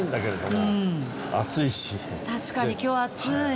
確かに今日暑い。